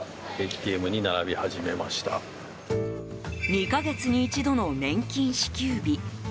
２か月に一度の年金支給日。